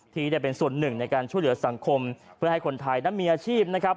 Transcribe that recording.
ที่ได้เป็นส่วนหนึ่งในการช่วยเหลือสังคมเพื่อให้คนไทยนั้นมีอาชีพนะครับ